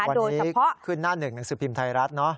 วันนี้ขึ้นหน้าหนึ่งหนังสือพิมพ์ไทยรัฐเนอะ